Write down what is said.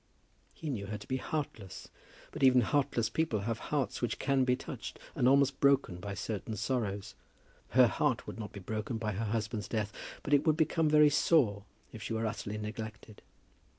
He knew her to be heartless; but even heartless people have hearts which can be touched and almost broken by certain sorrows. Her heart would not be broken by her husband's death, but it would become very sore if she were utterly neglected.